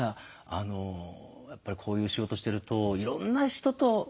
やっぱりこういう仕事してるといろんな人とずっとね。